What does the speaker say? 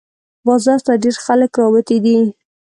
بازار ته ډېر خلق راوتي دي